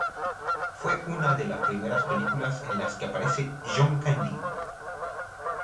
Fue una de las primeras películas en las que aparece John Candy.